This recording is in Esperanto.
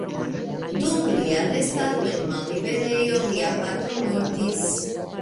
Dum lia restado en malliberejo lia patro mortis.